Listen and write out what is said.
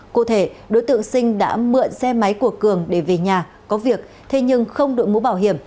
cụ thể đối tượng sinh đã mượn xe máy của cường để về nhà có việc thế nhưng không đội mũ bảo hiểm